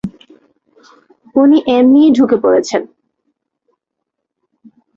উনি এমনিই ঢুকে পড়েছেন।